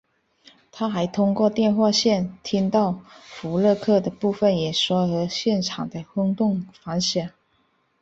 他还通过电话线听到福勒克的部分演说和现场的轰动反响。